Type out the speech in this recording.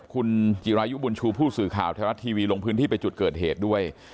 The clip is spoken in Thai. คุณจิรายุบุญชูผู้สื่อข่าวไทยรัฐทีวีลงพื้นที่ไปจุดเกิดเหตุด้วย